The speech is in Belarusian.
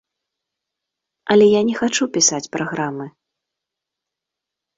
Але я не хачу пісаць праграмы.